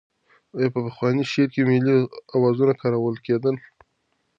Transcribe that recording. آیا په پخواني شعر کې ملي اوزان کارول کېدل؟